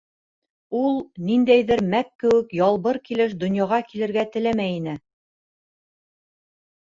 Ул ниндәйҙер мәк кеүек ялбыр килеш донъяға килергә теләмәй ине.